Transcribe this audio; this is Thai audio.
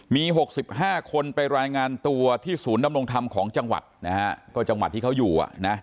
มี๖๕คนไปรายงานตัวที่ศูนย์ดำรงธรรมของจังหวัดนะฮะก็จังหวัดที่เขาอยู่